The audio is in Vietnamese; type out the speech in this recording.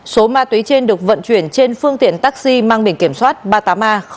số ma túy trên được vận chuyển trên phương tiện taxi mang biển kiểm soát ba mươi tám a tám nghìn bốn trăm linh hai